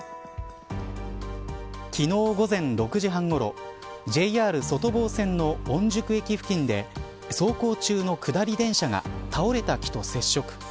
昨日午前６時半ごろＪＲ外房線の御宿駅付近で走行中の下り電車が倒れた木と接触。